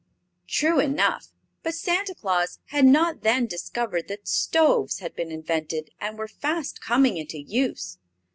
True enough; but Santa Claus had not then discovered that stoves had been invented and were fast coming into use.